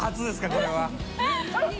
これは。